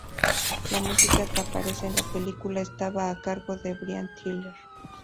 La música que aparece en la película estaba a cargo de Brian Tyler.